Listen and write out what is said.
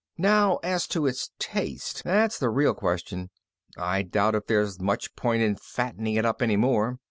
"Now, as to its taste. That's the real question. I doubt if there's much point in fattening it up any more.